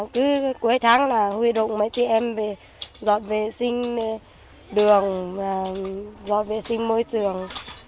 cứ cuối tháng là huy động mấy chị em về dọn vệ sinh đường dọn vệ sinh môi trường